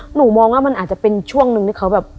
หนูมองว่ามันอาจจะเป็นช่วงหนึ่งที่เขาแบบ